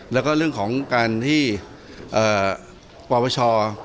แล้วก็เรื่องของการที่ปปช